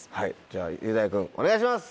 じゃあ雄大君お願いします！